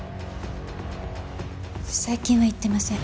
最近は行ってません。